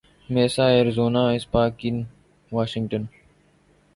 Misa Arizona Spokane Washington